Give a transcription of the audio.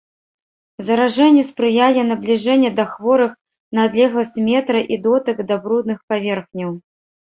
Заражэнню спрыяе набліжэнне да хворых на адлегласць метра і дотык да брудных паверхняў.